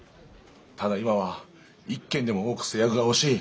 ただ今は一件でも多く成約が欲しい！